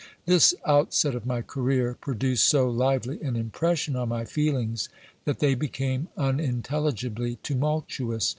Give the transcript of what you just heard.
This outset of my career produced so lively an impression on my feelings, that they became unintelligibly tumultuous.